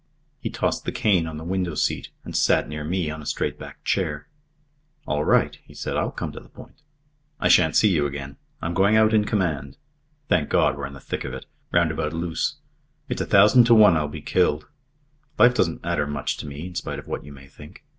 He tossed the cane on the window seat and sat near me on a straight backed chair. "All right," he said. "I'll come to the point. I shan't see you again. I'm going out in command. Thank God we're in the thick of it. Round about Loos. It's a thousand to one I'll be killed. Life doesn't matter much to me, in spite of what you may think.